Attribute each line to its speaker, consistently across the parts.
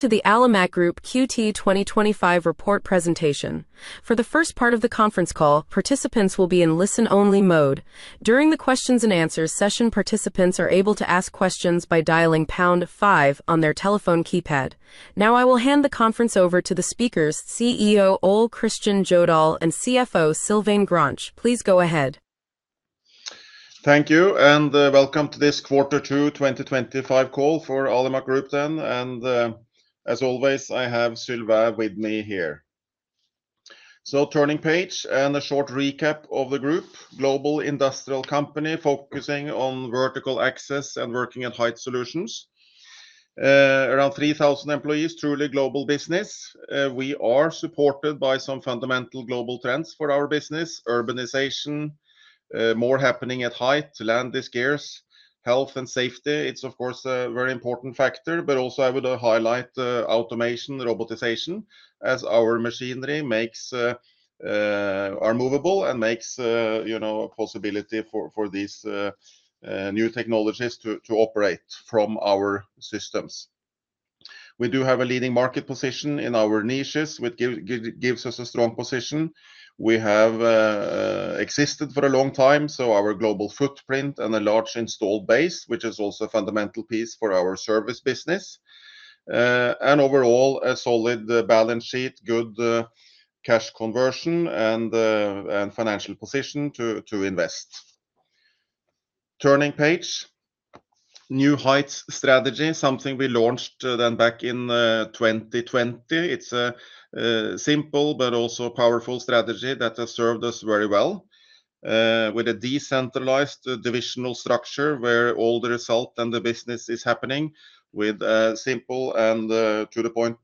Speaker 1: To the Alimac Group QT twenty twenty five Report Presentation. For the first part of the conference call, participants will be in listen only mode. During the questions and answers session, participants are able to ask questions by dialing 5 I will hand the conference over to the speakers, CEO, Ole Christian Jodal and CFO, Sylvain Granc. Please go ahead.
Speaker 2: Thank you, and welcome to this quarter two twenty twenty five call for Alimak Group then. And as always, I have Silva with me here. So turning page and a short recap of the group, global industrial company focusing on vertical access and working at height solutions. Around 3,000 employees, truly global business. We are supported by some fundamental global trends for our business, urbanization, more happening at height to land these gears, Health and safety, it's, of course, a very important factor, but also I would highlight, automation, the robotization as our machinery makes, are movable and makes, you know, a possibility for for these new technologies to to operate from our systems. We do have a leading market position in our niches, which give give gives us a strong position. We have, existed for a long time, so our global footprint footprint and a large installed base, which is also a fundamental piece for our service business. And overall, a solid balance sheet, good cash conversion and financial position to invest. Turning page, new heights strategy, something we launched then back in 2020. It's a simple but also a powerful strategy that has served us very well with a decentralized divisional structure where all the result and the business is happening with a simple and to the point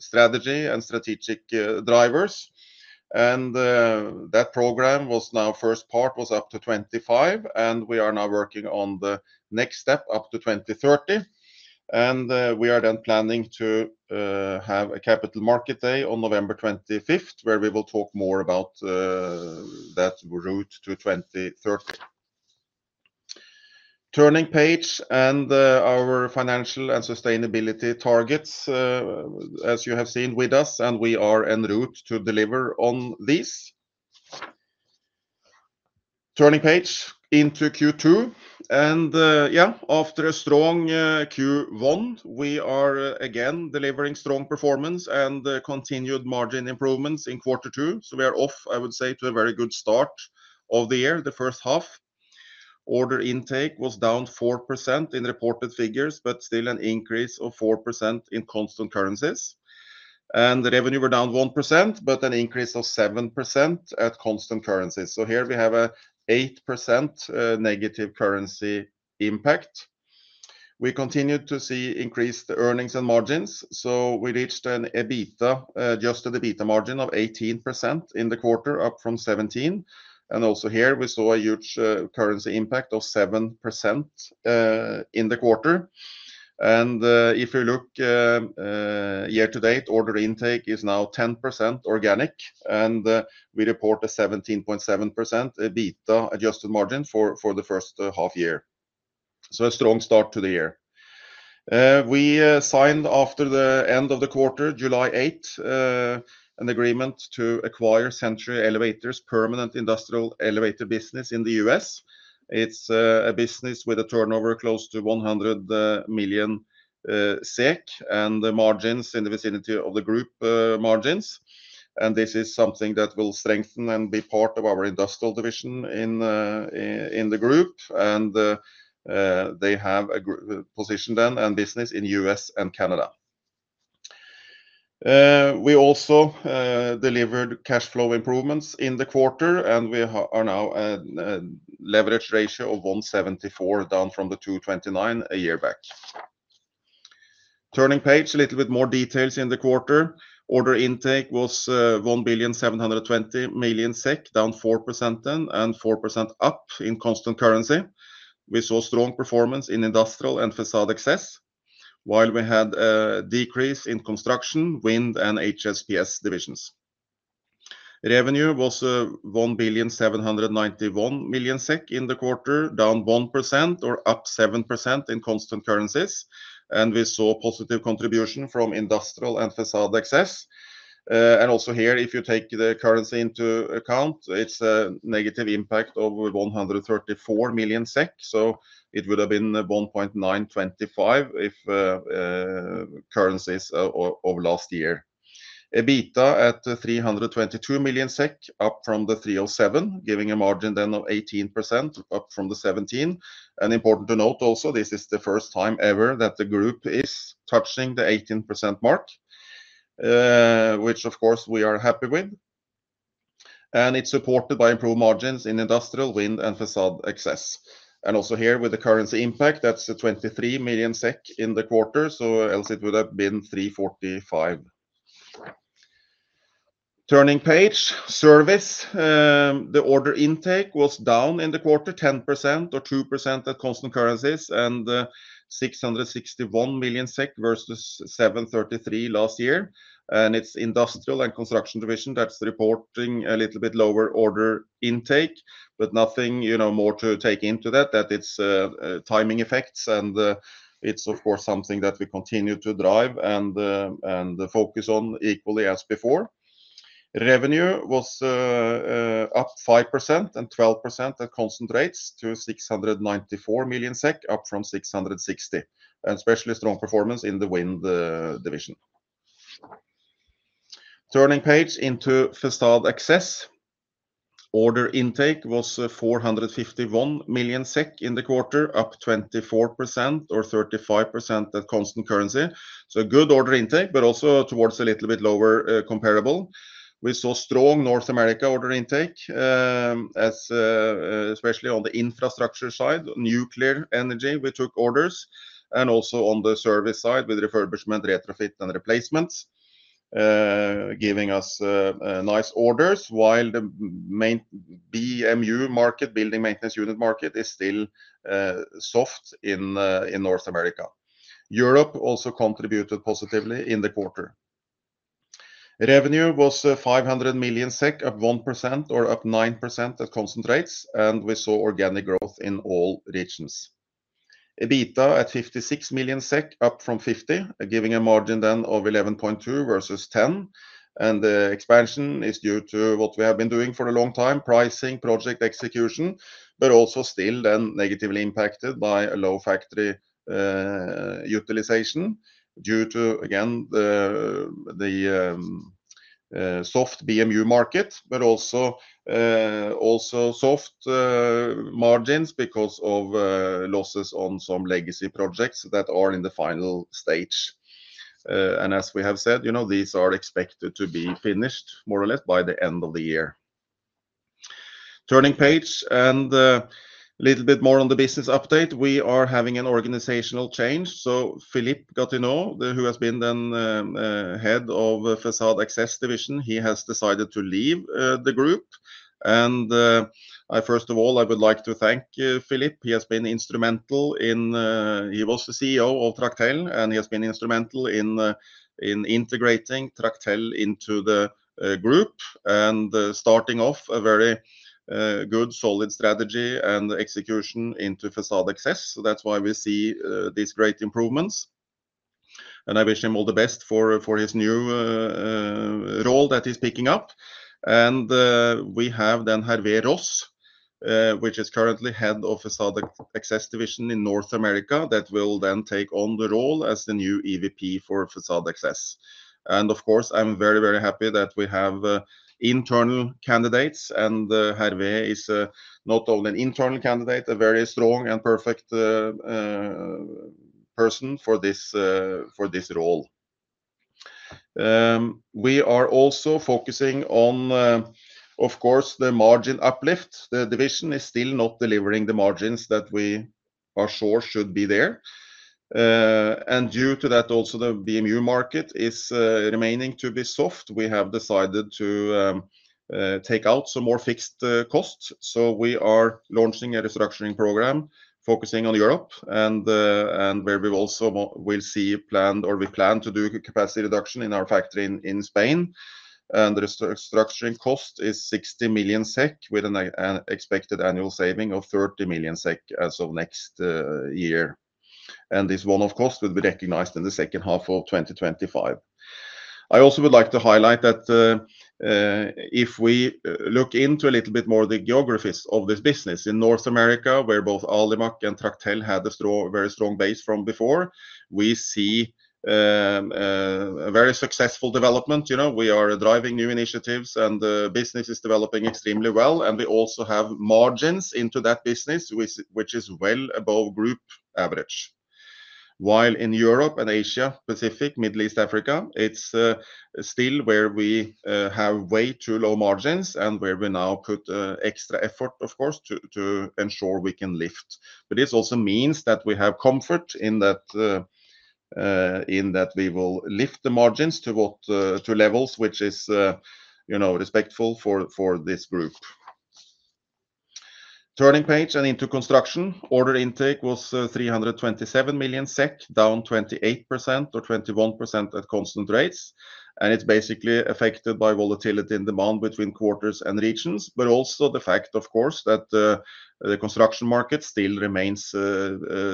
Speaker 2: strategy and strategic drivers. And, that program was now first part was up to '25, and we are now working on the next step up to 02/1930. And, we are then planning to, have a Capital Market Day on November 25, where we will talk more about that route to 02/1930. Turning page and our financial and sustainability targets, as you have seen with us, and we are en route to deliver on this. Turning page into Q2. And yes, after a strong Q1, we are again delivering strong performance and continued margin improvements in quarter two. So we are off, I would say, to a very good start of the year, the first half. Order intake was down 4% in reported figures, but still an increase of 4% in constant currencies. And the revenue were down 1%, but an increase of 7% at constant currency. So here, we have a 8% negative currency impact. We continue to see increased earnings and margins. So we reached an EBITDA adjusted EBITDA margin of 18% in the quarter, up from 17%. And also here, we saw a huge currency impact of seven percent in the quarter. And if you look year to date, order intake is now 10% organic, and we report a 17.7% EBITA adjusted margin for the first half year. So a strong start to the year. We signed after the end of the quarter, July 8, an agreement to acquire Century Elevators, permanent industrial elevator business in The U. S. It's a business with a turnover close to 100,000,000 SEK SEK and the margins in the vicinity of the group margins. And this is something that will strengthen and be part of our industrial division in the group, and they have a position then and business in U. S. And Canada. We also delivered cash flow improvements in the quarter, and we are now at leverage ratio of 1.74%, down from the 2.29% a year back. Turning page, a little bit more details in the quarter. Order intake was 1,000,000,000.72 down 4% then and 4% up in constant currency. We saw strong performance in industrial and facade excess, while we had a decrease in construction, wind and HSPS divisions. Revenue was 1,791,000,000 in the quarter, down 1% or up 7% in constant currencies. And we saw positive contribution from industrial and facade access. And also here, if you take the currency into account, it's a negative impact of 134,000,000 SEK. So it would have been 1,925,000.000 if currencies of last year. EBITDA at SEK $322,000,000, up from the SEK $3.00 7,000,000, giving a margin then of 18%, up from the 17,000,000. And important to note also, this is the first time ever that the group is touching the 18% mark, which, of course, we are happy with. And it's supported by improved margins in industrial, wind and facade excess. And also here with the currency impact, that's 23,000,000 SEK in the quarter, so else it would have been SEK $3.45. Turning page, Service. The order intake was down in the quarter, 10% or 2% at constant currencies and $661,000,000 versus SEK $733,000,000 last year. And it's industrial and construction division that's reporting a little bit lower order intake, but nothing, you know, more to take into that, that it's timing effects, and it's, of course, something that we continue to drive and and focus on equally as before. Revenue was up 512% at concentrates to SEK $694,000,000, up from SEK $6.60, and especially strong performance in the wind division. Turning page into Fastald Access. Order intake was $451,000,000 in the quarter, up 24% or 35% at constant currency. So good order intake, but also towards a little bit lower comparable. We saw strong North America order intake as especially on the infrastructure side, nuclear energy, we took orders and also on the service side with refurbishment, retrofit and replacements, giving us nice orders, while the main BMU market, building maintenance unit market, is still soft in in North America. Europe also contributed positively in the quarter. Revenue was 500,000,000, up 1% or up 9% at concentrates, and we saw organic growth in all regions. EBITDA at 56,000,000 SEK, up from 50,000,000, giving a margin then of 11.2% versus 10,000,000. And the expansion is due to what we have been doing for a long time, pricing, project execution, but also still then negatively impacted by a low factory utilization due to, again, the the soft BMU market, but also also soft margins because of losses on some legacy projects that are in the final stage. And as we have said, these are expected to be finished, more or less, by the end of the year. Turning page and a little bit more on the business update. We are having an organizational change. So Philippe Gatineau, who has been then Head of Facade Access Division, he has decided to leave the group. And I first of all, I would like to thank Philippe. He has been instrumental in he was the CEO of TrackTel, and he has been instrumental in in integrating TrackTel into the group and starting off a very good solid strategy and execution into facade access. So that's why we see these great improvements. And I wish him all the best for for his new role that he's picking up. And we have then Harveros, which is currently head of Facade Access division in North America that will then take on the role as the new EVP for Facade Access. And, of course, I'm very, very happy that we have internal candidates, and Harvey is not only an internal candidate, a very strong and perfect person for this role. We are also focusing on, of course, the margin uplift. The division is still not delivering the margins that we are sure should be there. And due to that also the BMU market is remaining to be soft. We have decided to take out some more fixed costs. So we are launching a restructuring program focusing on Europe and and where we also will see planned or we plan to do capacity reduction in our factory in in Spain. And the restructuring cost is 60,000,000 SEK with an expected annual saving of 30,000,000 SEK as of next year. And this one off cost will be recognized in the second half of twenty twenty five. I also would like to highlight that if we look into a little bit more the geographies of this business, in North America, where both Alimak and Tractel had a very strong base from before, we see a very successful development. You know? We are driving new initiatives, and the business is developing extremely well. And we also have margins into that business, which which is well above group average. While in Europe and Asia Pacific, Middle East, Africa, it's still where we have way too low margins and where we now put extra effort, of course, to ensure we can lift. But this also means that we have comfort in that that we will lift the margins to what to levels which is, you know, respectful for for this group. Turning page and into construction. Order intake was SEK $327,000,000, down 28% or 21% at constant rates. And it's basically affected by volatility in demand between quarters and regions, but also the fact, of course, that the construction market still remains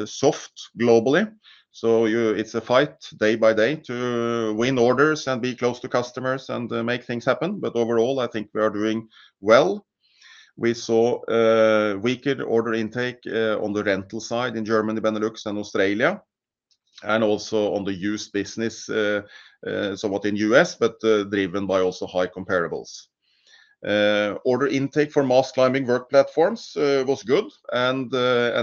Speaker 2: soft globally. So you it's a fight day by day to win orders and be close to customers and make things happen. But overall, I think we are doing well. We saw weaker order intake on the rental side in Germany, Benelux and Australia, and also on the used business somewhat in US, but driven by also high comparables. Order intake for mass climbing work platforms was good, and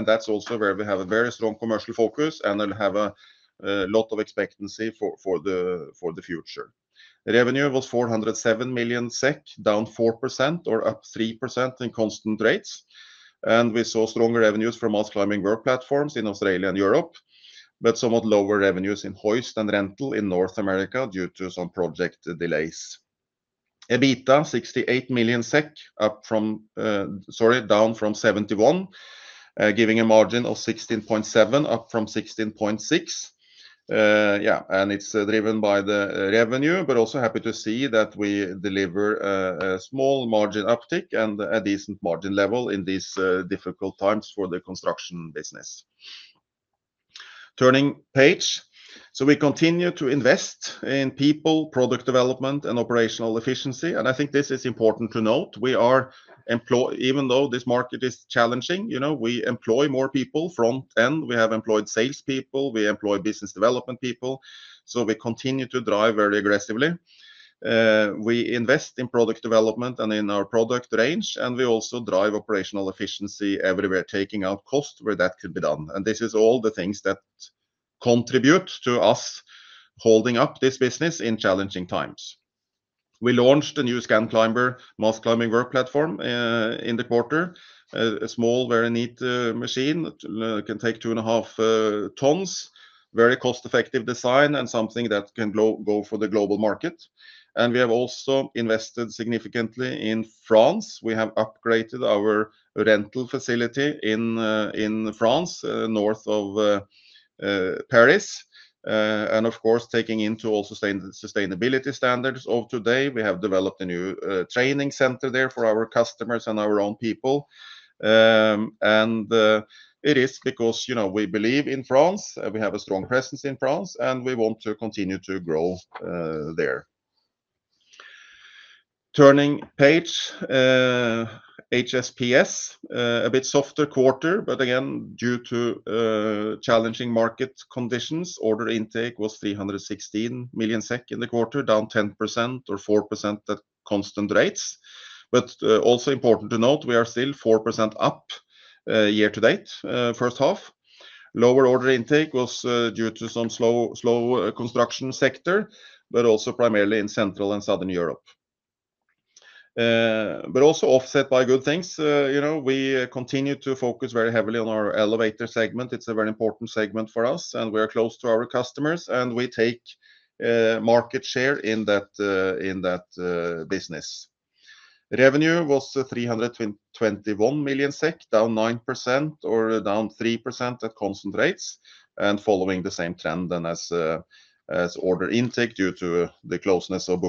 Speaker 2: that's also where we have a very strong commercial focus and then have a lot of expectancy for the future. Revenue was SEK $4.00 7,000,000, down 4% or up 3% in constant rates. And we saw stronger revenues from mass climbing work platforms in Australia and Europe, but somewhat lower revenues in hoist and rental in North America due to some project delays. EBITDA, 68,000,000, up from sorry, down from 71,000,000, giving a margin of 16,700,000.0, up from 16,600,000.0. Yeah. And it's driven by the revenue, but also happy to see that we deliver a small margin uptick and a decent margin level in these difficult times for the Construction business. Turning page. So we continue to invest in people, product development and operational efficiency. And I think this is important to note, we are employ even though this market is challenging, we employ more people front end. We have employed sales people. We employ business development people. So we continue to drive very aggressively. We invest in product development and in our product range, and we also drive operational efficiency everywhere taking out costs where that could be done. And this is all the things that contribute to us holding up this business in challenging times. We launched a new ScanClimber mass climbing work platform in the quarter, a small, very neat machine that can take 2.5 tons, very cost effective design, and something that can go go for the global market. And we have also invested significantly in France. We have upgraded our rental facility in in France, North Of Paris, And, of course, taking into also stain sustainability standards of today, we have developed a new training center there for our customers and our own people. And it is because, you know, we believe in France. We have a strong presence presence in France, and we want to continue to grow there. Turning Page HSPS, a bit softer quarter. But again, due to challenging market conditions, order intake was SEK $316,000,000 in the quarter, down 10% or 4% at constant rates. But also important to note, we are still 4% up year to date first half. Lower order intake was due to some slow slow construction sector, but also primarily in Central And Southern Europe. But also offset by good things. You know, we continue to focus very heavily on our elevator segment. It's a very important segment for us, and we are close to our customers. And we take market share in that business. Revenue was $321,000,000, down 9% or down 3% at constant rates and following the same trend then as order intake due to the closeness of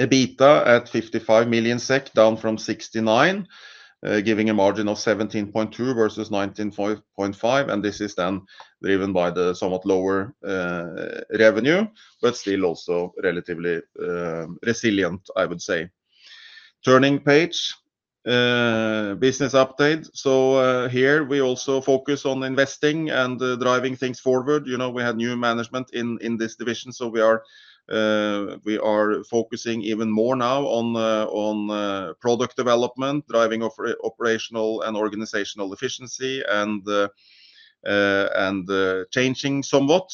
Speaker 2: book to bill. EBITDA at 55,000,000 SEK, down from 69,000,000, giving a margin of 17.2% versus 19.5%, and this is then driven by the somewhat lower revenue, but still also relatively resilient, I would say. Turning page, business update. So here, we also focus investing and driving things forward. We have new management in this division. So we are focusing even more now on product development, driving operational and organizational efficiency and changing somewhat.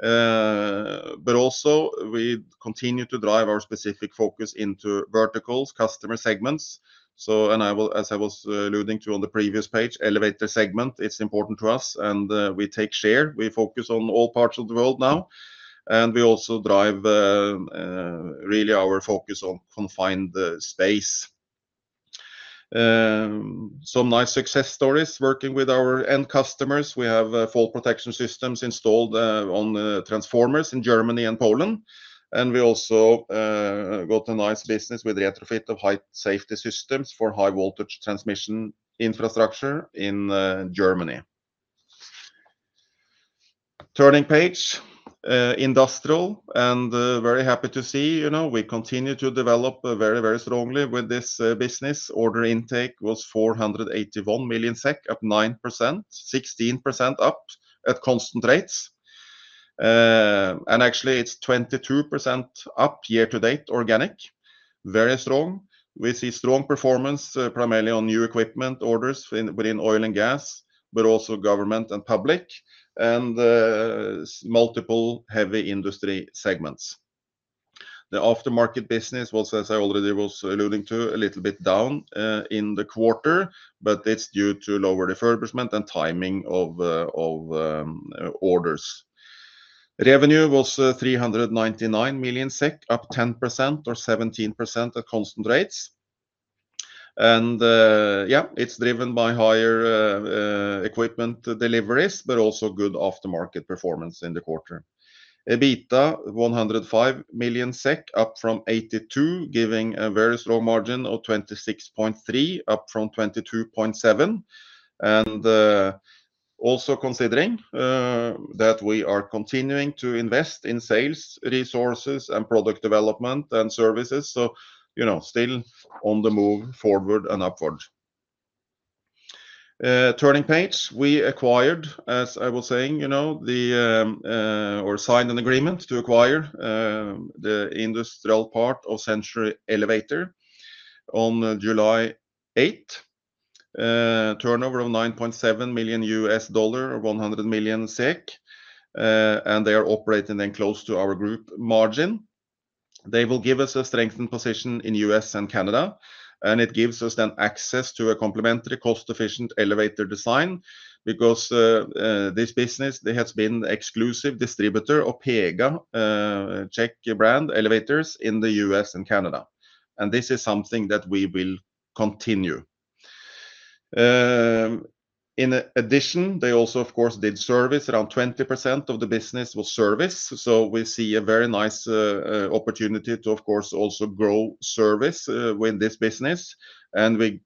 Speaker 2: But also, we continue to drive our specific focus into verticals, customer segments. So and I will as I was alluding to on the previous page, elevator segment, it's important to us, and we take share. We focus on all parts of the world now. And we also drive, really, our focus on confined space. Some nice success stories working with our end customers. We have fall protection systems installed on transformers in Germany and Poland. And we also got a nice business with retrofit of high safety systems for high voltage transmission infrastructure in Germany. Turning page, industrial, and very happy to see, you know, we continue to develop very, very strongly with this business. Order intake was SEK $481,000,000, up 9%, 16% up at constant rates. And actually, it's 22% up year to date organic, very strong. We see strong performance primarily on new equipment orders within oil and gas, but also government and public and multiple heavy industry segments. The aftermarket business was, as I already was alluding to, a little bit down in the quarter, but it's due to lower refurbishment and timing of orders. Revenue was $399,000,000, up 10% or 17% at constant rates. And, yeah, it's driven by higher, equipment deliveries, but also good aftermarket performance in the quarter. EBITDA, 105,000,000, up from 82,000,000, giving a very slow margin of 26.3, up from 22.7. And, also considering, that we are continuing to invest in sales resources and product development and services, so, you know, still on the move forward and upward. Turning page. We acquired, as I was saying, you know, the, or signed an agreement to acquire, the industrial part of Century Elevator on July 8. Turnover of 9,700,000.0 US dollar or 100,000,000 SEK, and they are operating then close to our group margin. They will give us a strengthened position in US and Canada, and it gives us then access to a complementary cost efficient elevator design because this business, there has been exclusive distributor of PEEKA, Czech brand elevators in The US and Canada. And this is something that we will continue. In addition, they also, of course, did service. Around 20% of the business was service. So we see a very nice opportunity to, of course, also grow service with this business. And we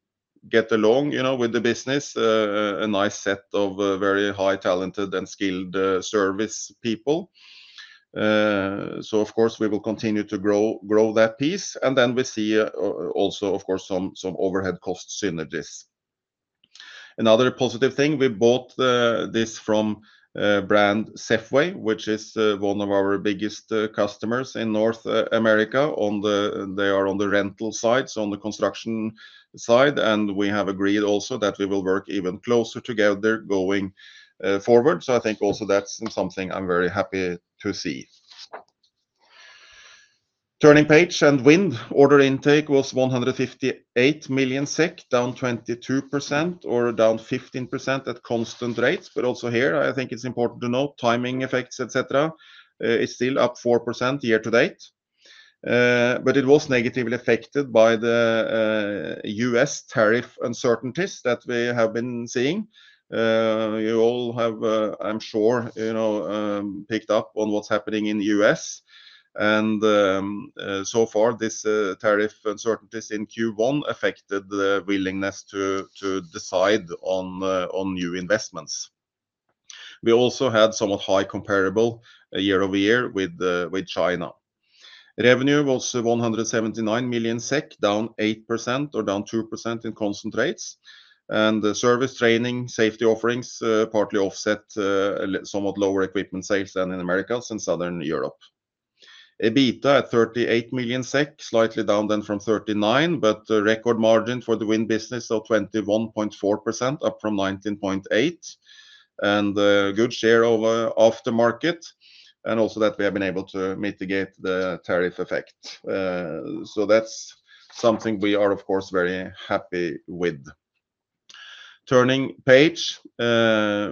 Speaker 2: get along, you know, with the business, a nice set of very high talented and skilled service people. So, of course, we will continue to grow grow that piece. And then we see also, of course, some some overhead cost synergies. Another positive thing, we bought this from brand Zepway, which is one of our biggest customers in North America on the they are on the rental side, so on the construction side. And we have agreed also that we will work even closer together going forward. So I think also that's something I'm very happy to see. Turning page and wind. Order intake was 158,000,000 SEK, down 22% or down 15% But also here, I think it's important to note timing effects, etcetera, is still up 4% year to date. But it was negatively affected by The US tariff uncertainties that we have been seeing. You all have, I'm sure, you know, picked up on what's happening in The US. And, so far, this tariff uncertainties in q one affected the willingness to to decide on, on new investments. We also had somewhat high comparable year over year with, with China. Revenue was 179,000,000 SEK, down 8% or down 2% in concentrates. And the service training safety offerings partly offset somewhat lower equipment sales than in Americas and Southern Europe. EBITDA at 38,000,000 SEK, slightly down then from 39,000,000, but a record margin for the wind business of 21.4%, up from 19.8% and good share of aftermarket and also that we have been able to mitigate the tariff effect. So that's something we are, of course, very happy with. Turning page.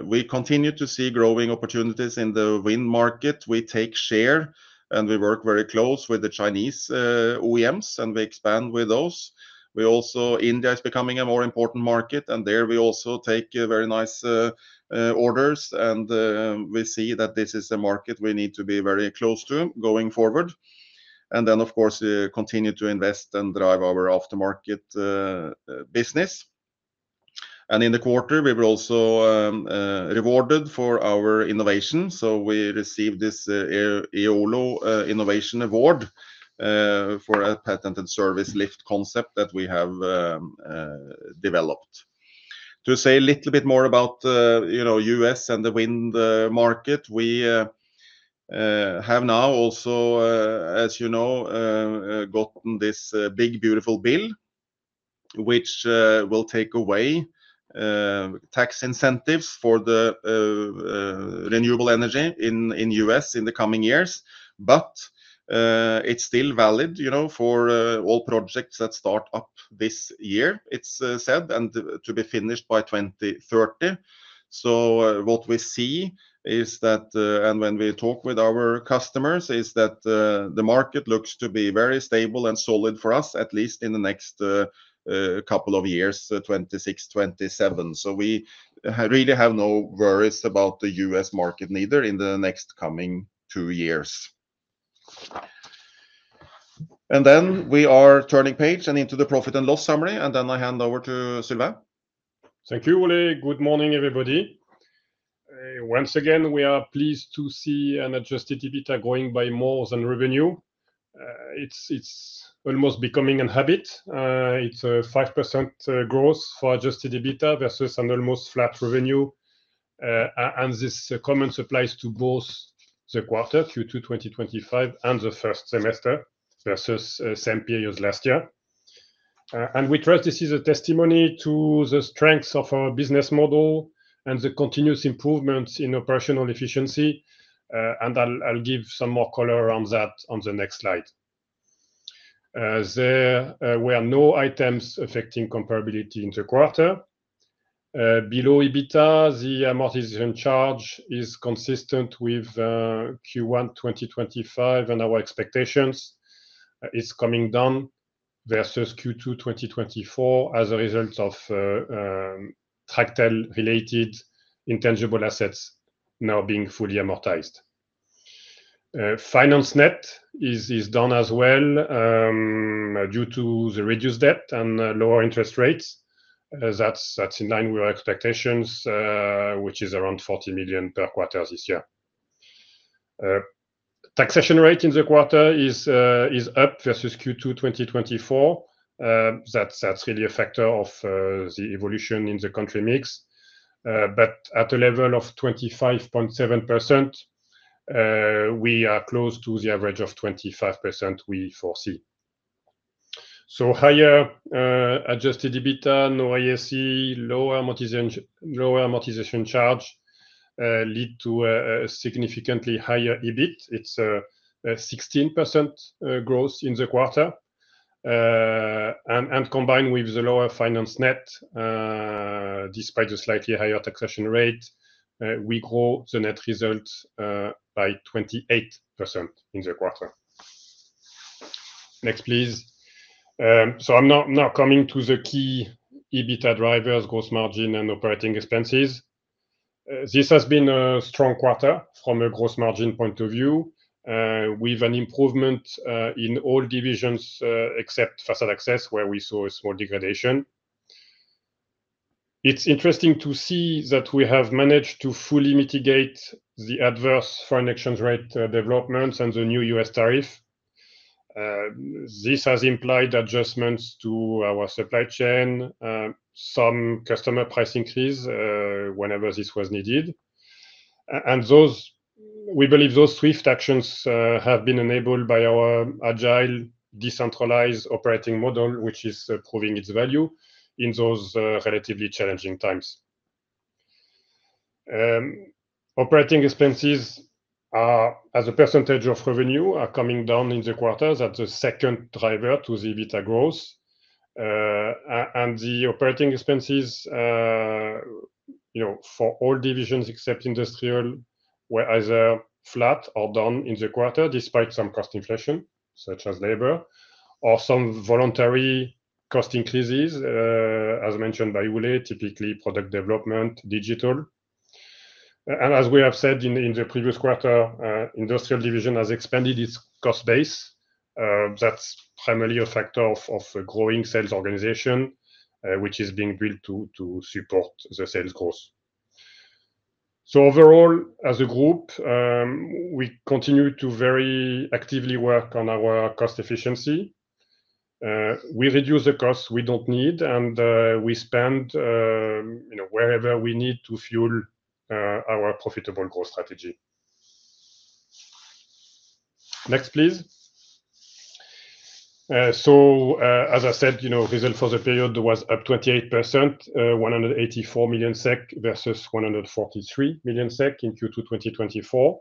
Speaker 2: We continue to see growing opportunities in the wind market. We take share, and we work very close with the Chinese OEMs, and we expand with those. We also India is becoming a more important market. And there, we also take very nice orders, and we see that this is a market we need to be very close to going forward. And then, of course, we continue to invest and drive our aftermarket business. And in the quarter, we were also rewarded for our innovation. So we received this Eolo Innovation Award for a patented service lift concept that we have developed. To say a little bit more about, you know, US and the wind market, we, have now also, as you know, gotten this big beautiful bill, which, will take away, tax incentives for the, renewable energy in in US in the coming years. But, it's still valid, you know, for, all projects that start up this year, it's said, and to be finished by 02/1930. So what we see is that and when we talk with our customers is that market looks to be very stable and solid for us at least in the next couple of years, '26, '27. So we really have no worries about The U. S. Market neither in the next coming two years. And then we are turning page and into the profit and loss summary, and then I hand over to Sylvain.
Speaker 3: Thank you, Ole. Good morning, everybody. Once again, we are pleased to see an adjusted EBITDA going by more than revenue. It's it's almost becoming a habit. It's a 5% growth for adjusted EBITDA versus an almost flat revenue, and this common supplies to both the quarter, q two twenty twenty five, and the first semester versus same periods last year. And we trust this is a testimony to the strengths of our business model and the continuous improvements in operational efficiency, and I'll I'll give some more color around that on the next slide. As there were no items affecting comparability in the quarter, below EBITDA, the amortization charge is consistent with q one twenty twenty five and our expectations is coming down versus q two twenty twenty four as a result of tactile related intangible assets now being fully amortized. Finance net is is done as well due to the reduced debt and lower interest rates. That's that's in line with our expectations, which is around 40,000,000 per quarter this year. Taxation rate in the quarter is is up versus q two twenty twenty four. That's that's really a factor of the evolution in the country mix. But at a level of 25.7%, we are close to the average of 25% we foresee. So higher adjusted EBITDA, no IAC, lower amortization lower amortization charge lead to a significantly higher EBIT. It's a 16% growth in the quarter. And and combined with the lower finance net despite a slightly higher taxation rate, we grow the net results by 28% in the quarter. Next, please. So I'm not not coming to the key EBITA drivers, gross margin, and operating expenses. This has been a strong quarter from a gross margin point of view with an improvement in all divisions except for access where we saw a small degradation. It's interesting to see that we have managed to fully mitigate the adverse foreign exchange rate developments and the new US tariff. This has implied adjustments to our supply chain, some customer price increase whenever this was needed. And those we believe those swift actions have been enabled by our agile, decentralized operating model, which is proving its value in those relatively challenging times. Operating expenses, as a percentage of revenue, are coming down in the quarters. That's the second driver to the EBITA growth. And the operating expenses, you know, for all divisions except industrial were either flat or down in the quarter despite some cost inflation, such as labor or some voluntary cost increases as mentioned by Houlet, typically product development, digital. And as we have said in in the previous quarter, industrial division has expanded its cost base. That's primarily a factor of of growing sales organization, which is being built to to support the sales growth. So overall, as a group, we continue to very actively work on our cost efficiency. We reduce the cost we don't need, and we spend, you know, wherever we need to fuel our profitable growth strategy. Next, please. So as I said, you know, result for the period was up 28%, 184,000,000 versus 143,000,000 SEK in q two twenty twenty four.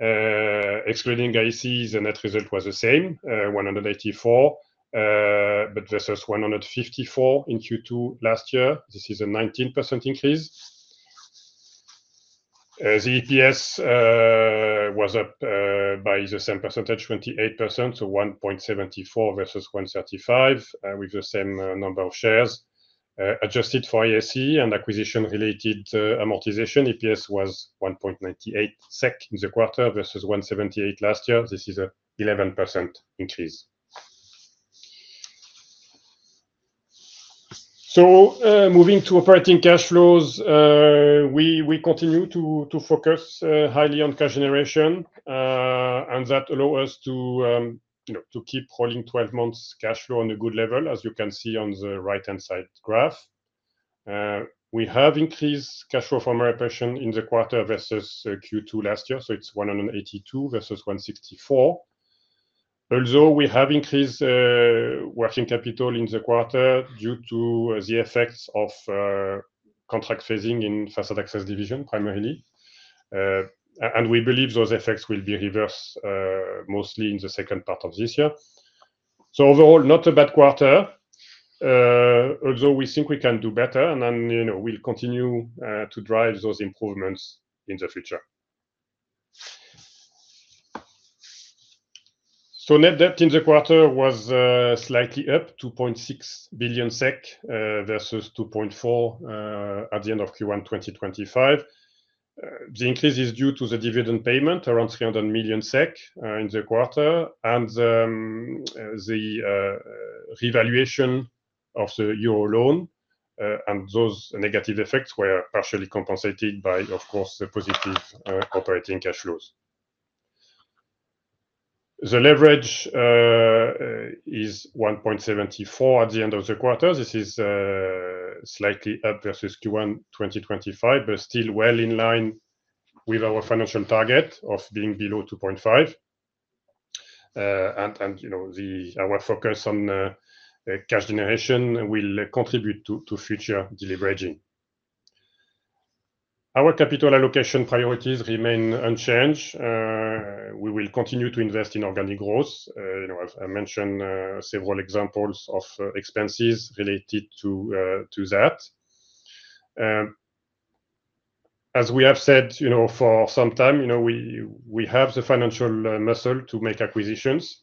Speaker 3: Excluding the ICs, the net result was the same, 184, but versus 154 in q two last year. This is a 19% increase. The EPS was up by the same percentage, 28%, so 1.74 versus one thirty five with the same number of shares. Adjusted for ASE and acquisition related amortization, EPS was 1.98 SEK in the quarter versus 1.78 last year. This is a 11% increase. So moving to operating cash flows, we we continue to to focus highly on cash generation, and that allow us to, you know, to keep calling twelve months cash flow on a good level as you can see on the right hand side graph. We have increased cash flow from our impression in the quarter versus q two last year, so it's 182 versus one sixty four. Although we have increased working capital in the quarter due to the effects of contract phasing in fast access division primarily. And we believe those effects will be reversed mostly in the second part of this year. So overall, not a bad quarter. Although we think we can do better and then, you know, we'll continue to drive those improvements in the future. So net debt in the quarter was slightly up, 2,600,000,000 versus 2.4 at the end of q one twenty twenty five. The increase is due to the dividend payment around 300,000,000 SEK in the quarter and the revaluation of the euro loan and those negative effects were partially compensated by, of course, the positive operating cash flows. The leverage is 1.74 at the end of the quarter. This is slightly up versus q one twenty twenty five, but still well in line with our financial target of being below 2.5. And and, you know, the our focus on cash generation will contribute to to future deleveraging. Our capital allocation priorities remain unchanged. We will continue to invest in organic growth. You know, I've I've mentioned several examples of expenses related to to that. As we have said, you know, for some time, you know, we we have the financial muscle to make acquisitions.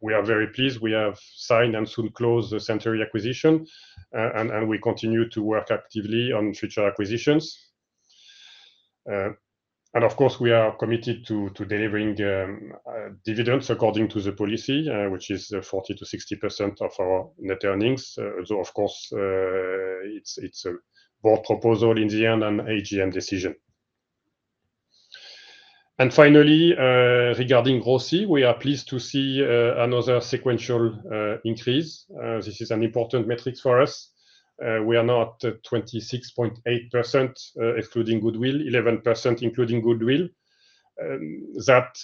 Speaker 3: We are very pleased. We have signed and soon closed the Century acquisition, and and we continue to work actively on future acquisitions. And, of course, we are committed to to delivering dividends according to the policy, which is 40 to 60% of our net earnings. So, of course, it's it's a board proposal in the end and AGM decision. And finally, regarding ROCE, we are pleased to see another sequential increase. This is an important metric for us. We are not at 26.8% excluding goodwill, 11% including goodwill. That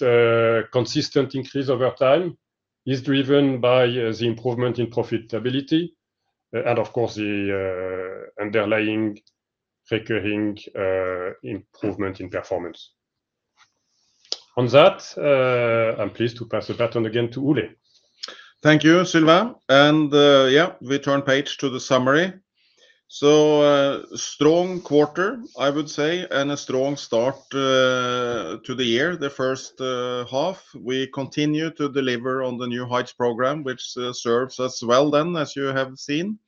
Speaker 3: consistent increase over time is driven by the improvement in profitability and, of course, the underlying recurring improvement in performance. On that, I'm pleased to pass the baton again to Ulle.
Speaker 2: Thank you, Sylvain. And, yeah, we turn page to the summary. So strong quarter, I would say, and a strong start to the year, the first half. We continue to deliver on the new heights program, which serves us well then, as you have seen,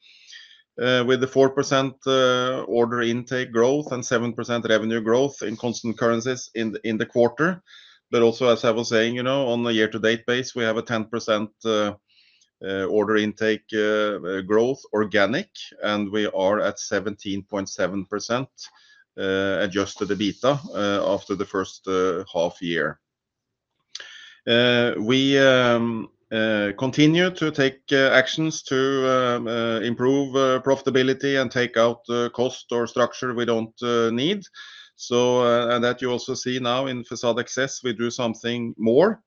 Speaker 2: with the 4% order intake growth and 7% revenue growth in constant currencies in the quarter. But also, as I was saying, on a year to date base, we have a 10% order intake growth organic, and we are at 17.7% adjusted EBITA after the first half year. We continue to take actions to improve profitability and take out cost or structure we don't need. So and that you also see now in Facade Access, we do something more.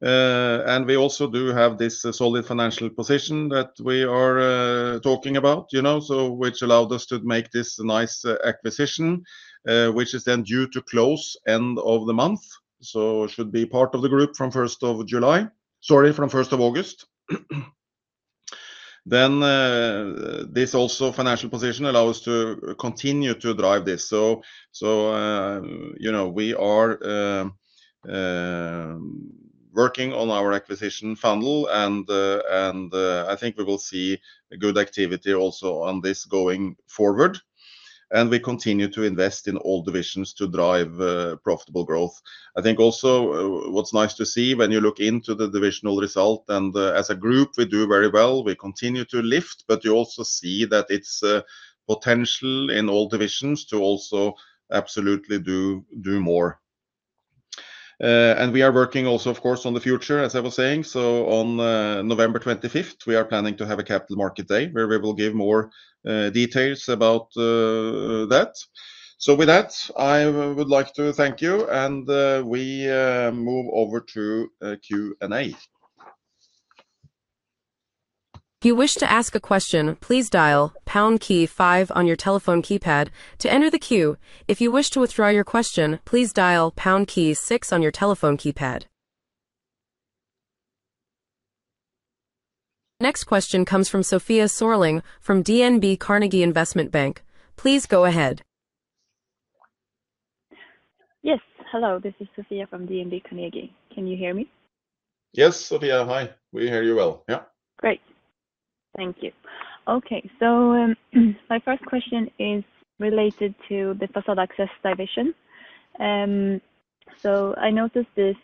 Speaker 2: And we also do have this solid financial position that we are, talking about, you know, so which allowed us to make this nice acquisition, which is then due to close end of the month. So it should be part of the group from July 1 sorry, from August 1. Then, this also financial position allow us to continue to drive this. So so, you know, we are working on our acquisition funnel, and and I think we will see good activity also on this going forward. And we continue to invest in all divisions to drive profitable growth. I think also what's nice to see when you look into the divisional result and as a group, we do very well. We continue to lift, but you also see that it's potential in all divisions to also absolutely do more. And we are working also, of course, on the future, as I was saying. So on November 25, we are planning to have a Capital Market Day, where we will give more details about that. So with that, I would like to thank you, and we move over to Q
Speaker 1: Next question comes from Sofia Sorling from DNB Carnegie Investment Bank. Please go ahead.
Speaker 4: Yes. Hello. This is Sofia from DNB Carnegie. Can you hear me?
Speaker 2: Yes, Sofia. Hi. We hear you well. Yeah.
Speaker 4: Great. Thank you. Okay. So my first question is related to the Passat Access division. So I noticed this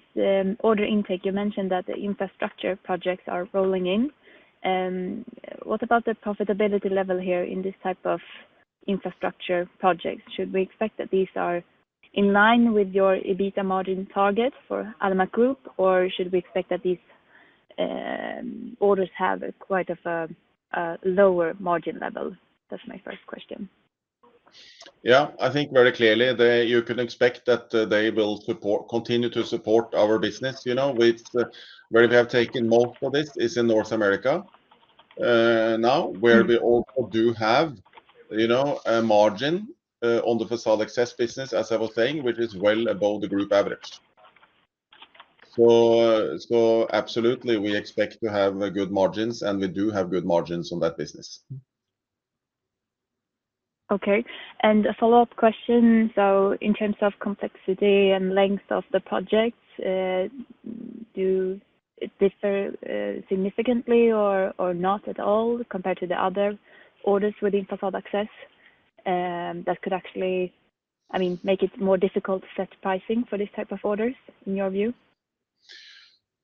Speaker 4: order intake. You mentioned that the infrastructure projects are rolling in. What about the profitability level here in this type of infrastructure projects? Should we expect that these are in line with your EBITDA margin target for Alma Group? Or should we expect that these orders have quite of a lower margin level? That's my first question.
Speaker 2: Yeah. I think very clearly, they you could expect that they will support continue to support our business, you know, with where they have taken most of this is in North America now where we also do have, you know, a margin on the facade access business as I was saying, which is well above the group average. Average. So so absolutely, we expect to have good margins, and we do have good margins on that business.
Speaker 4: Okay. And a follow-up question. So in terms of complexity and length of the projects, do it differ significantly or or not at all compared to the other orders within Pathfinder Access, that could actually, I mean, make it more difficult to set pricing for this type of orders in your view?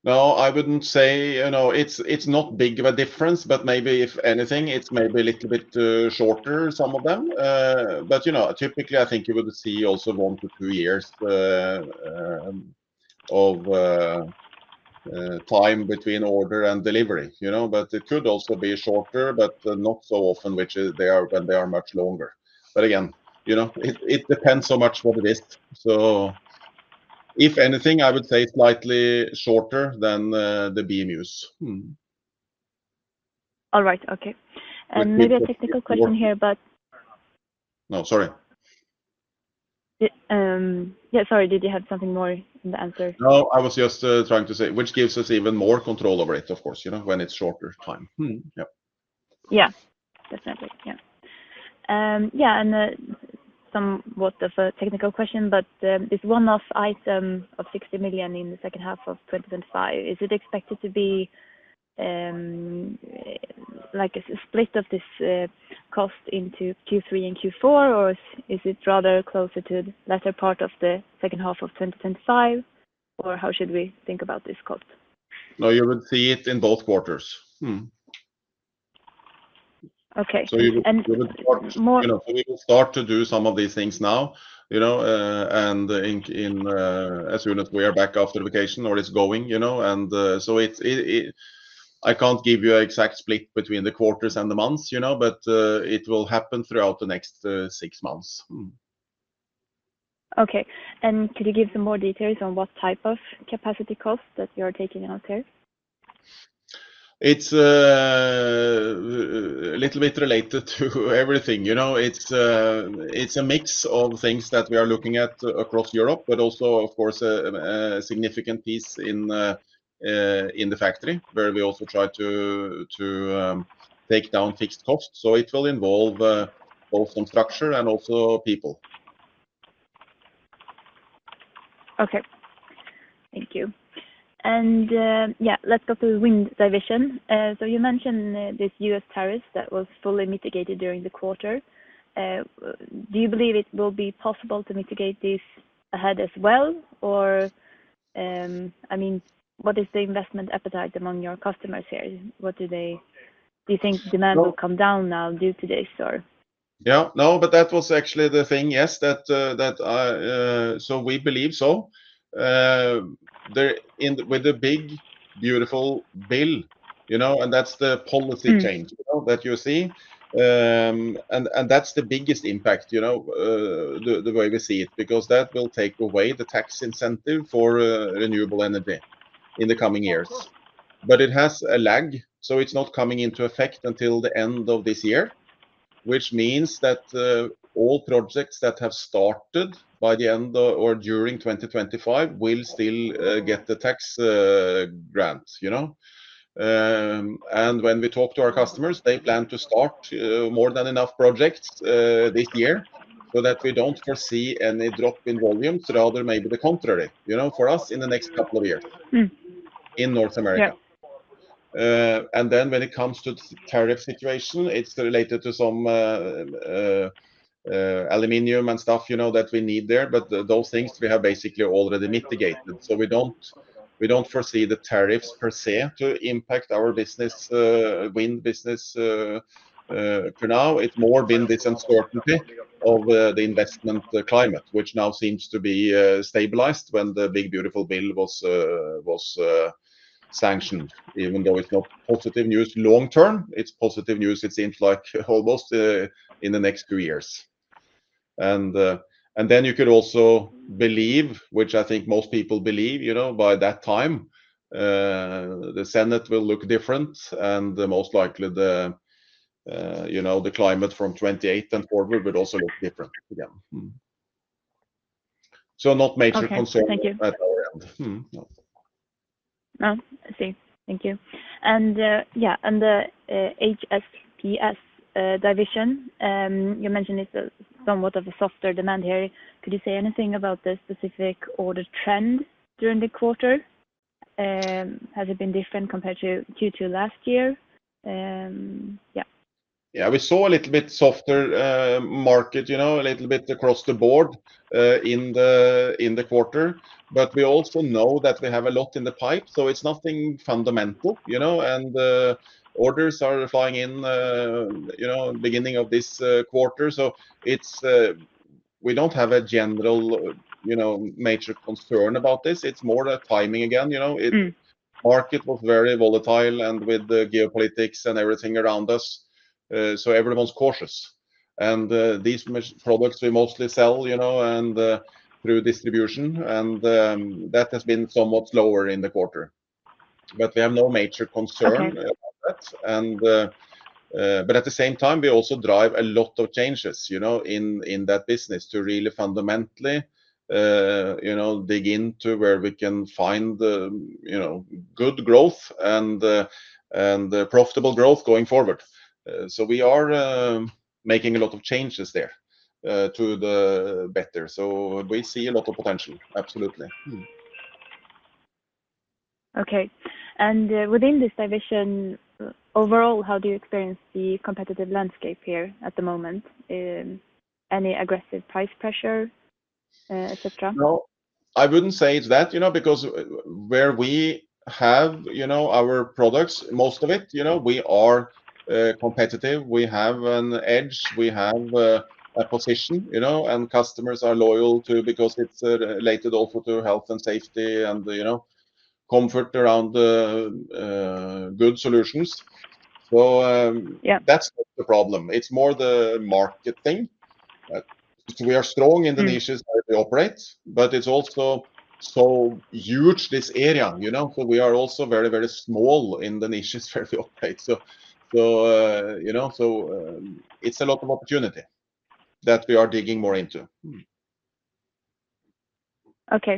Speaker 2: No. I wouldn't say you know, it's it's not big of a difference, but maybe if anything, it's maybe a little bit shorter, some of them. But, you know, typically, I think you would see also one to two years of time between order and delivery. You know? But it could also be shorter, but not so often, which is they are when they are much longer. But, again, you know, it it depends so much for the list. So if anything, I would say slightly shorter than the Bemus. Alright.
Speaker 4: Okay. And maybe a technical question here. But
Speaker 2: No. Sorry.
Speaker 4: Yeah. Sorry. Did you have something more in the answer?
Speaker 2: No. I was just trying to say, which gives us even more control over it, of course, you know, when it's shorter time. Yep.
Speaker 4: Yeah. Definitely. Yeah. And somewhat of a technical question, but this one off item of 60,000,000 in the second half of twenty twenty five, is it expected to be like a split of this cost into Q3 and Q4? Or is it rather closer to the latter part of the second half of twenty twenty five? Or how should we think about this cost?
Speaker 2: No, you would see it in both quarters.
Speaker 4: Okay.
Speaker 2: So you will And we will more know, we will start to do some of these things now, you know, and in in as soon as we are back after vacation or it's going. You know? And so it's I can't give you an exact split between the quarters and the months, you know, but it will happen throughout the next six months. Okay.
Speaker 4: And could you give some more details on what type of capacity cost that you are taking out here?
Speaker 2: It's a little bit related to everything. It's a mix of things that we are looking at across Europe, but also, of course, a significant piece in the factory, where we also try to take down fixed costs. So it will involve both on structure and also people.
Speaker 4: Okay. Thank you. And, yeah, let's go to wind division. So you mentioned, this US tariffs that was fully mitigated during the quarter. Do you believe it will be possible to mitigate this ahead as well? Or, I mean, what is the investment appetite among your customers here? What do they do you think demand will come down now due to this? Or
Speaker 2: Yeah. No. But that was actually the thing, yes, that that so we believe so. There in with the big, beautiful bill, you know, and that's the policy change, you know, that you see. And and that's the biggest impact, you know, the the way we see it because that will take away the tax incentive for renewable energy in the coming years. But it has a lag, so it's not coming into effect until the end of this year, which means that, all projects that have started by the end or during 2025 will still, get the tax, grants. You know? And when we talk to our customers, they plan to start, more than enough projects, this year so that we don't foresee any drop in volumes rather maybe the contrary, you know, for us in the next couple of years in North America. And then when it comes to tariff situation, it's related to some aluminum and stuff, you know, that we need there. But those things, we have basically already mitigated. So we don't we don't foresee the tariffs per se to impact our business wind business for now. It's more been this uncertainty of the investment climate, which now seems to be stabilized when the big beautiful bill was sanctioned. Even though it's not positive news long term. It's positive news, it seems like, almost in the next two years. And and then you could also believe, which I think most people believe, you know, by that time, the senate will look different. And most likely, the, you know, the climate from '28 and forward would also look different. Yeah. So not major concern at our end. No.
Speaker 4: I see. Thank you. And, yes, on the, HSPS, division, you mentioned it's somewhat of a softer demand here. Could you say anything about the specific order trend during the quarter? Has it been different compared to Q2 last year? Yes.
Speaker 2: Yes. We saw a little bit softer market, a little bit across the board in the quarter. But we also know that we have a lot in the pipe, so it's nothing fundamental. You know? And orders are flying in, you know, beginning of this quarter. So it's, we don't have a general, you know, major concern about this. It's more a timing again. You know? It market was very volatile and with the geopolitics and everything around us. So everyone's cautious. And these products, we mostly sell, you know, and through distribution, and that has been somewhat slower in the quarter. But we have no major concern about that. And but at the same time, we also drive a lot of changes, you know, in in that business to really fundamentally, you know, dig into where we can find, you know, good growth and and profitable growth going forward. So we are making a lot of changes there to the better. So we see a lot of potential. Absolutely. Okay.
Speaker 4: And within this division, overall, how do you experience the competitive landscape here at the moment? Any aggressive price pressure, etcetera?
Speaker 2: No. I wouldn't say it's that, you know, because where we have, you know, our products, most of it, you know, we are competitive. We have an edge. We have a position, you know, and customers are loyal too because it's related also to health and safety and, you know, comfort around the good solutions. So Yep. That's the problem. It's more the market thing. We are strong in the niches where we operate, but it's also so huge this area. You know? So we are also very, very small in the niches where we operate. So so, you know, so it's a lot of opportunity that we are digging more into.
Speaker 4: Okay.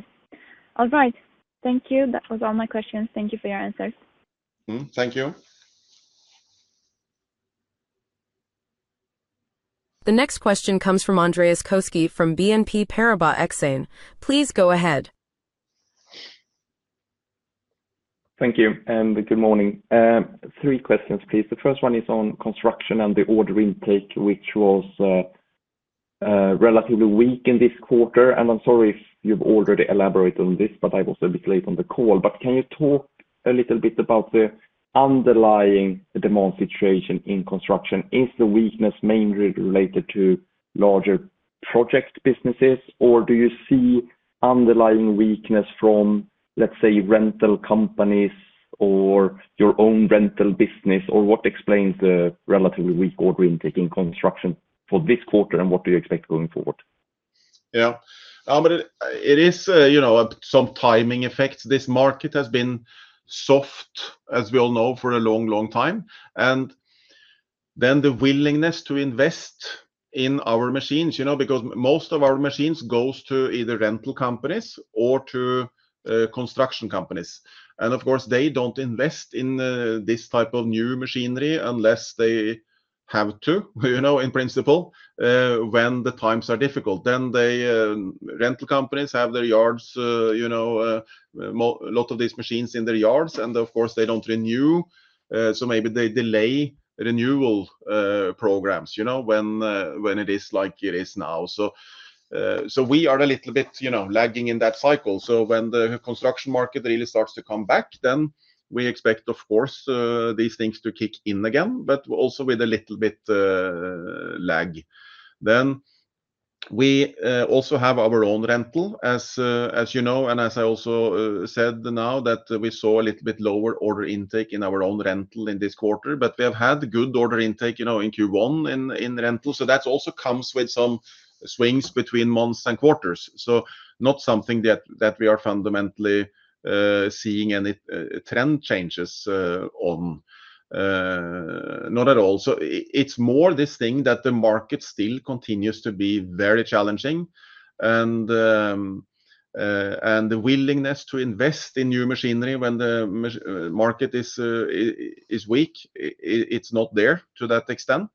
Speaker 4: Alright. Thank you. That was all my questions. Thank you for your answers.
Speaker 2: Thank you.
Speaker 1: The next question comes from Andreas Koski from BNP Paribas Exane. Please go ahead.
Speaker 5: Thank you and good morning. Three questions, please. The first one is on construction and the order intake, which was relatively weak in this quarter. And I'm sorry if you've already elaborated on this, but I was a bit late on the call. But can you talk a little bit about the underlying demand situation in construction? Is the weakness mainly related to larger project businesses? Or do you see underlying weakness from, let's say, companies or your own rental business? Or what explains the relatively weak order intake in construction for this quarter? And what do you expect going forward?
Speaker 2: Yes. But it is some timing effects. This market has been soft, as we all know, for a long, long time. And then the willingness to invest in our machines, you know, because most of our machines goes to either rental companies or to construction companies. And, of course, they don't invest in this type of new machinery unless they have to, you know, in principle, when the times are difficult. Then the rental companies have their yards, you know, a lot of these machines in their yards. And, of course, they don't renew, so maybe they delay renewal, programs, you know, when, when it is like it is now. So, so we are a little bit, lagging in that cycle. So when the construction market really starts to come back, then we expect, of course, these things to kick in again, but also with a little bit lag. Then we also have our own rental, as you know, and as I also said now that we saw a little bit lower order intake in our own rental in this quarter. But we have had good order intake in Q1 in rental. So that also comes with some swings between months and quarters. So not something that we are fundamentally seeing any trend changes on. Not at all. So it's more this thing that the market still continues to be very challenging. And and the willingness to invest in new machinery when the market is weak, it's not there to that extent.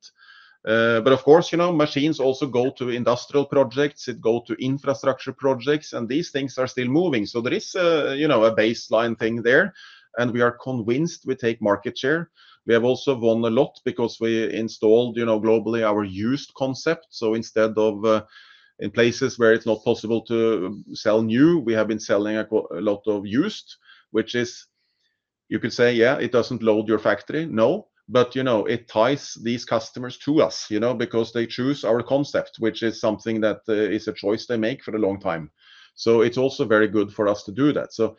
Speaker 2: But of course, you know, machines also go to industrial projects. It go to infrastructure projects, and these things are still moving. So there is, you know, a baseline thing there, and we are convinced we take market share. We have also won a lot because we installed, you know, globally our used concept. So instead of in places where it's not possible to sell new, we have been selling a lot of used, which is you could say, yeah, it doesn't load your factory. No. But, you know, it ties these customers to us, you know, because they choose our concept, which is something that, is a choice they make for a long time. So it's also very good for us to do that. So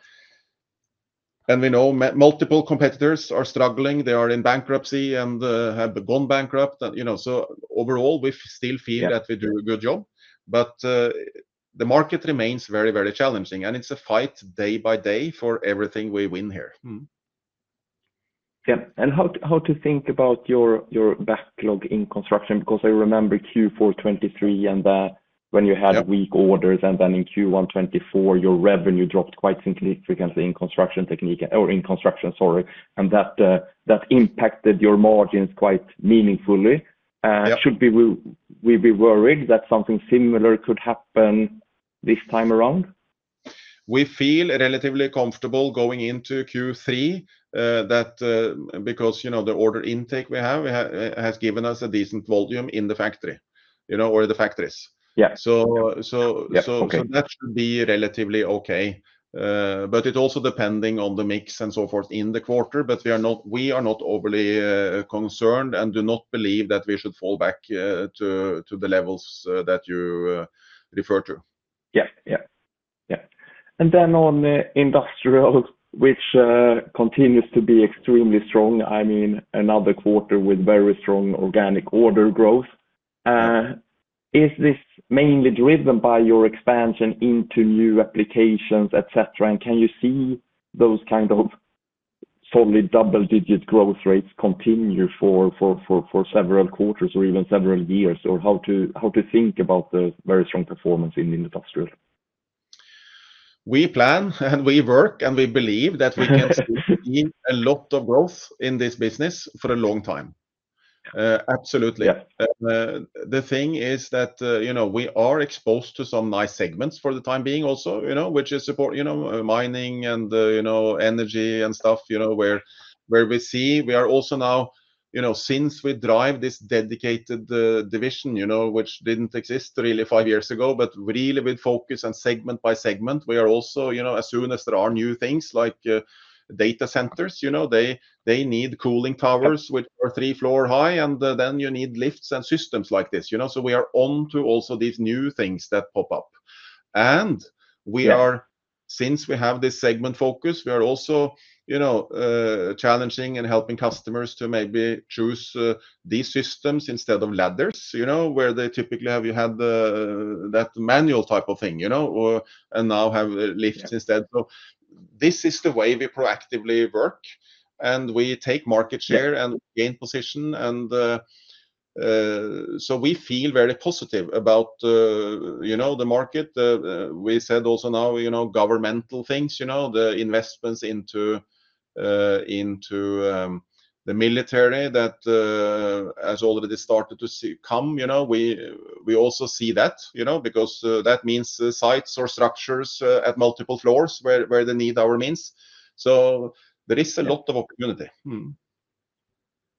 Speaker 2: and we know multiple competitors are struggling. They are in bankruptcy and have gone bankrupt. You know? So, overall, we still feel that we do a good job. But the market remains very, very challenging, and it's a fight day by day for everything we win here.
Speaker 5: Yep. And how how to think about your your backlog in construction? Because I remember q four twenty three and the when you had weak orders, and then in q one twenty four, your revenue dropped quite significantly in construction technique or in construction. Sorry. And that that impacted your margins quite meaningfully. Should we will we be worried that something similar could happen this time around?
Speaker 2: We feel relatively comfortable going into q that because, you know, the order intake we have has given us a decent volume in the factory, you know, where the factories. Yeah. So so so so that should be relatively okay. But it's also depending on the mix and so forth in the quarter, but we are not overly concerned and do not believe that we should fall back to the levels that you referred to.
Speaker 5: Yes, yes, yes. And then on Industrial, which continues to be extremely strong, I mean, another quarter with very strong organic order growth. Is this mainly driven by your expansion into new applications, etcetera? And can you see those kind of solid double digit growth rates continue for several quarters or even several years? Or how to think about the very strong performance in Industrial?
Speaker 2: We plan and we work and we believe that we can see a lot of growth in this business for a long time. Absolutely. The thing is that we are exposed to some nice segments for the time being also, you know, which is support, you know, mining and, you know, energy and stuff, you know, where where we see. We are also now you know, since we drive this dedicated division, you know, which didn't exist really five years ago, but really with focus on segment by segment, we are also you know, as soon as there are new things like data centers, you know, they they need cooling towers with or three floor high, and then you need lifts and systems like this. You know? So we are on to also these new things that pop up. And we are since we have this segment focus, we are also, you know, challenging and helping customers to maybe choose these systems instead of ladders, you know, where they typically have you had the that manual type of thing, you know, or and now have Lyft instead. So this is the way we proactively work, and we take market share and gain position. And so we feel very positive about, you know, the market. We said also now, you know, governmental things, you know, the investments into into the military that, has already started to see come. You know? We we also see that, you know, because, that means sites or structures, at multiple floors where where they need our means. So there is a lot of opportunity.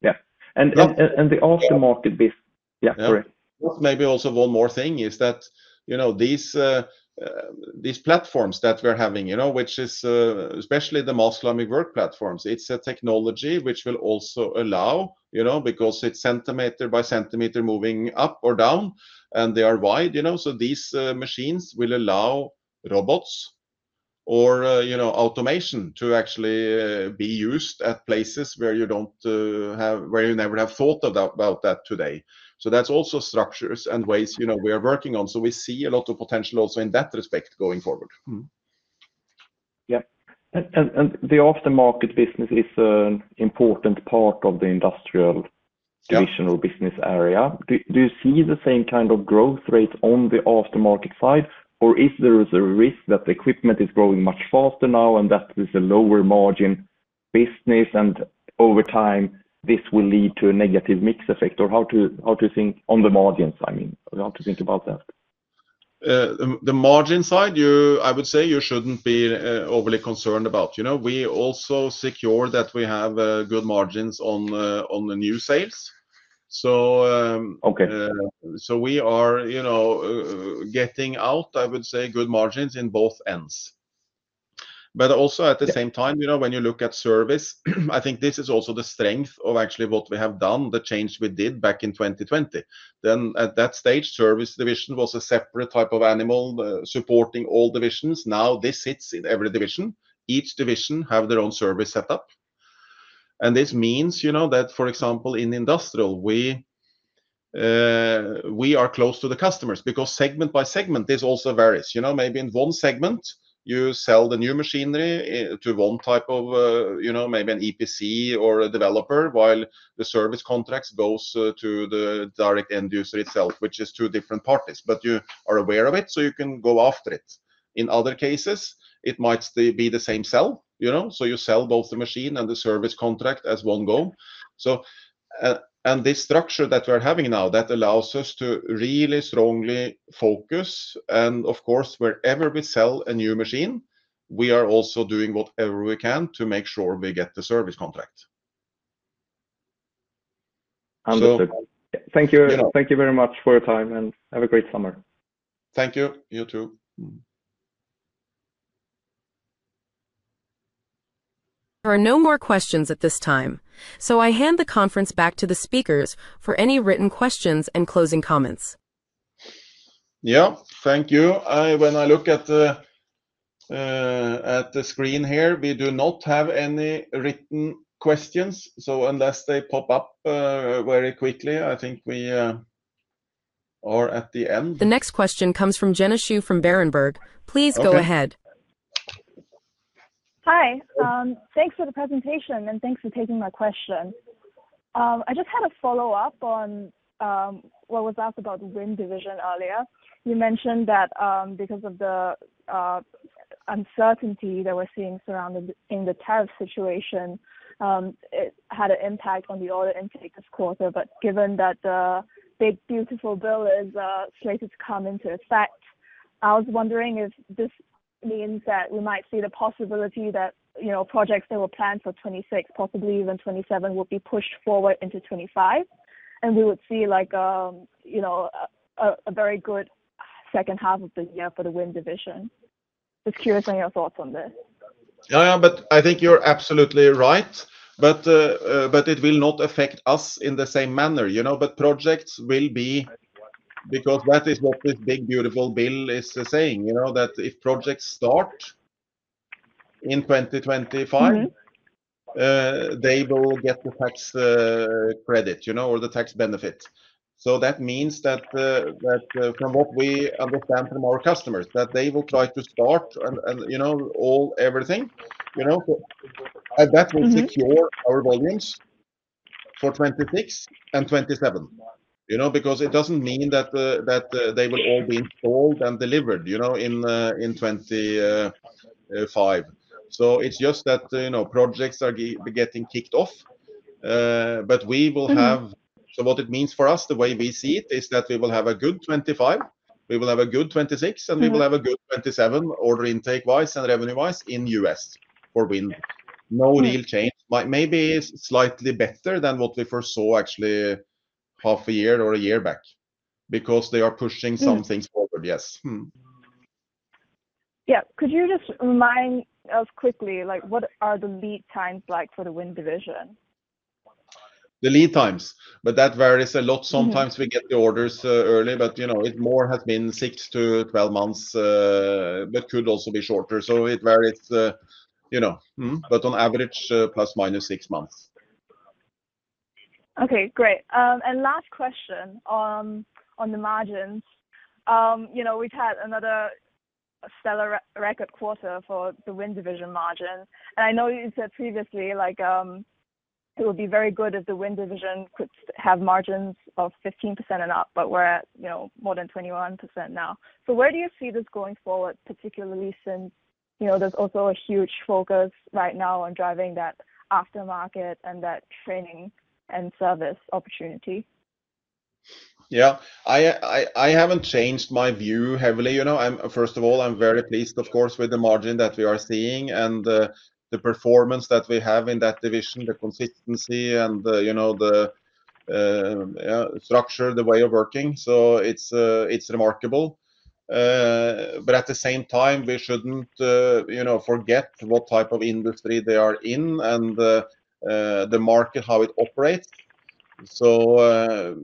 Speaker 5: Yeah. And and and the aftermarket base yeah. Correct.
Speaker 2: Maybe also one more thing is that, you know, these these platforms that we're having, you know, which is especially the mass slumming work platforms, it's a technology which will also allow, you know, because it's centimeter by centimeter moving up or down, and they are wide. You know? So these machines will allow robots or, you know, automation to actually be used at places where you don't have where you never have thought about that today. So that's also structures and ways, you know, we are working on. So we see a lot of potential also in that respect going forward. Yeah.
Speaker 5: And the aftermarket business is an important part of the industrial traditional business area. Do you see the same kind of growth rate on the aftermarket side? Or is there a risk that equipment is growing much faster now and that is a lower margin business and over time, this will lead to a negative mix effect? Or how to think on the margins, I mean, how to think about that?
Speaker 2: The margin side, you I would say, you shouldn't be overly concerned about. You know? We also secure that we have good margins on on the new sales. So Okay. So we are, you know, getting out, I would say, good margins in both ends. But also, at the same time, you know, when you look at service, I think this is also the strength of actually what we have done, the change we did back in 2020. Then at that stage, service division was a separate type of animal supporting all divisions. Now this sits in every division. Each division have their own service setup. And this means, you know, that, for example, in industrial, we, we are close to the customers because segment by segment, this also varies. You know? Maybe in one segment, you sell the new machinery to one type of, you know, maybe an EPC or a developer while the service contracts goes to the direct end user itself, which is two different parties. But you are aware of it, so you can go after it. In other cases, it might still be the same cell. You know? So you sell both the machine and the service contract as one go. So and this structure that we're having now that allows us to really strongly focus. And, of course, wherever we sell a new machine, we are also doing whatever we can to make sure we get the service contract.
Speaker 5: Understood. Thank you. Thank you very much for your time, and have a great summer.
Speaker 2: Thank you. You too.
Speaker 1: There are no more questions at this time. So I hand the conference back to the speakers for any written questions and closing comments.
Speaker 2: Yeah. Thank you. I when I look at the, at the screen here, we do not have any written questions. So unless they pop up, very quickly, I think we are at the end.
Speaker 1: The next question comes from Jenna Shu from Berenberg. Please go ahead.
Speaker 6: Hi. Thanks for the presentation,
Speaker 4: and thanks for taking my question.
Speaker 6: I just had a follow-up on what was asked about the wind division earlier. You mentioned that because of the uncertainty that we're seeing surrounded in the tariff situation, it had an impact on the order intake this quarter. But given that big beautiful bill is slated to come into effect, I was wondering if this means that we might see the possibility that, you know, projects that were planned for '26, possibly even '27, will be pushed forward into '25. And we would see, like, you know, a very good second half of the year for the wind division. Just curious on your thoughts on this.
Speaker 2: Yeah. Yeah. But I think you're absolutely right. But but it will not affect us in the same manner, you know, but projects will be because that is what this big beautiful bill is saying, you know, that if projects start in 2025, they will get the tax credit, you know, or the tax benefit. So that means that that from what we understand from our customers that they will try to start and and, you know, all everything, you know, and that will secure our volumes for '26 and '27. You know? Because it doesn't mean that that they will all be installed and delivered, you know, in in '25. So it's just that, you know, projects are be be getting kicked off, But we will have so what it means for us, the way we see it is that we will have a good '25, we will have a good '26, and we will have a good '27 order intake wise and revenue wise in US for wind. No real change. But maybe it's slightly better than what we foresaw actually half a year or a year back because they are pushing some things forward. Yes.
Speaker 6: Yep. Could you just remind us quickly, like, what are the lead times like for the wind division?
Speaker 2: The lead times. But that varies a lot. Sometimes we get the orders early, but, you know, it more has been six to twelve months, but could also be shorter. So it varies, you know. Mhmm. But on average, plus minus six months.
Speaker 6: Okay. Great. And last question, on the margins. You know, we've had another stellar record quarter for the wind division margin. And I know you said previously, like, it would be very good if the wind division could have margins of 15% and up, but we're at, you know, more than 21% now. So where do you see this going forward, particularly since, you know, there's also a huge focus right now on driving that aftermarket and that training and service opportunity?
Speaker 2: Yeah. I I I haven't changed my view heavily. You know? I'm first of all, I'm very pleased, of course, with the margin that we are seeing and the the performance that we have in that division, the consistency, and the, you know, the structure, the way of working. So it's it's remarkable. But at the same time, we shouldn't, you know, forget what type of industry they are in and the market, how it operates. So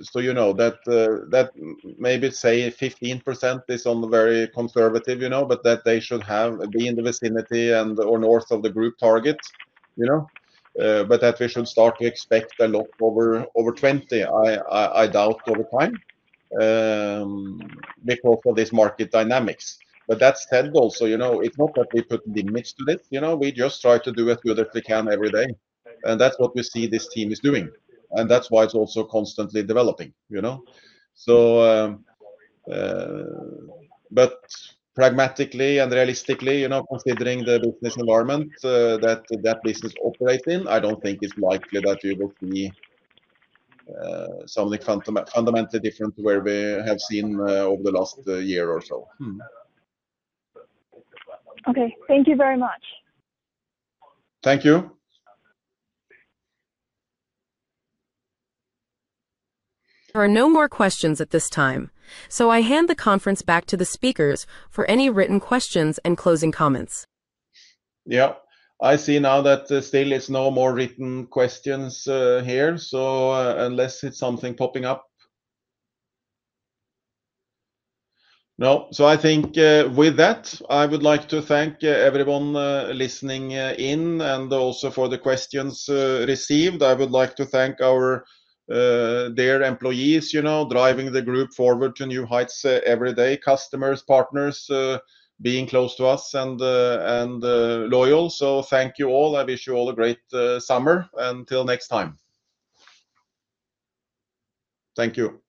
Speaker 2: so, you know, that that maybe, say, 15% is on the very conservative, you know, but that they should have be in the vicinity and or north of the group targets, you know, but that we should start to expect a lot over over 20, I I I doubt, over time, before for this market dynamics. But that's that goal. So, you know, it's not that we put the mix to this. You know, we just try to do it with a click on every day, and that's what we see this team is doing. And that's why it's also constantly developing. You know? So but pragmatically and realistically, you know, considering the business environment that that business operates in, I don't think it's likely that you will see something fundamentally different where we have seen over the last year or so.
Speaker 6: Okay. Thank you very much.
Speaker 2: Thank you.
Speaker 1: There are no more questions at this time. So I hand the conference back to the speakers for any written questions and closing comments.
Speaker 2: Yep. I see now that there still is no more written questions, here. So, unless it's something popping up. No. So I think, with that, I would like to thank everyone listening in and also for the questions received. I would like to thank our, their employees, you know, driving the group forward to new heights every day, customers, partners being close to us and loyal. So thank you all, and wish you all a great summer. Until next time. Thank you.